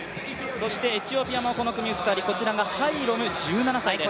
そしてエチオピアもこの組２人、こちらはハイロム１７歳です。